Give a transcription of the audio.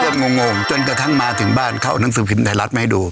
เตรียมงงงจนกระทั่งมาถึงบ้านเขาเอานังสือผิดไทยรัฐมาให้ดู